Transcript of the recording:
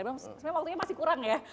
maksudnya waktunya masih kurang ya